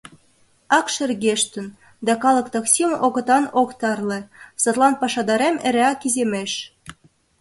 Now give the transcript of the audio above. — Ак шергештын, да калык таксим окотан ок тарле, садлан пашадарем эреак иземеш».